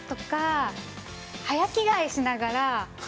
早着がえしながら。